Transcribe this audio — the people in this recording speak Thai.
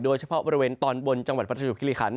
โดยเฉพาะบริเวณตอนบนจังหวัดประจวบคิริคัน